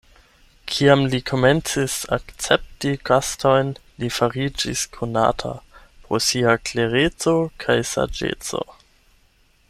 Kiam li komencis akcepti gastojn, li fariĝis konata pro sia klereco kaj saĝeco.